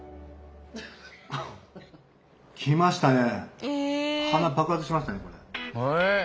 きましたね。